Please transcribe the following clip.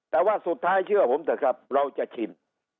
แต่ว่าสุดท้ายเชื่อผมเถอะครับเราจะชิม